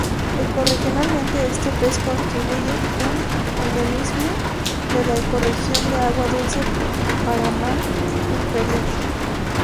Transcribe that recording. Ecorregionalmente este pez constituye un endemismo de la ecorregión de agua dulce Paraná inferior.